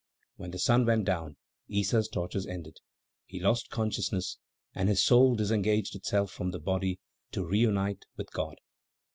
When the sun went down, Issa's tortures ended. He lost consciousness and his soul disengaged itself from the body, to reunite with God.